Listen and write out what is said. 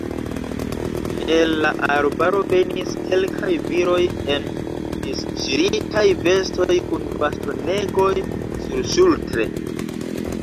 El la arbaro venis kelkaj viroj en disŝiritaj vestoj kun bastonegoj surŝultre.